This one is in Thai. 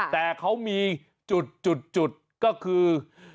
แต่เขามีจุดก็คือ